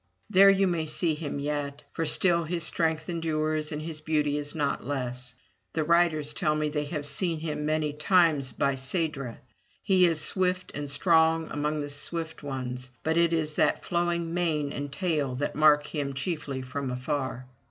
There you may see him yet, for still his strength endures, and his beauty is not less. The riders tell me they have seen him many times by Cedra. He is swift and strong among the swift ones, but it is that flowing mane and tail that mark him chiefly from afar.